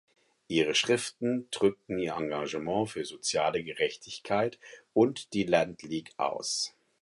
Ihre Schriften drückten ihr Engagement für soziale Gerechtigkeit und die Land League aus.